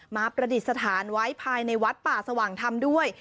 ประดิษฐานไว้ภายในวัดป่าสว่างธรรมด้วย